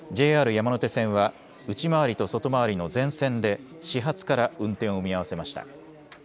山手線は内回りと外回りの全線で始発から運転を見合わせました。